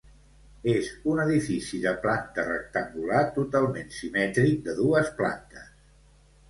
És un edifici de planta rectangular totalment simètric, de dues plantes.